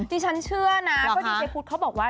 ที่ฉันเชื่อนะก็ดีเจพุทธเขาบอกว่า